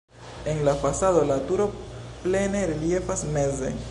En la fasado la turo plene reliefas meze.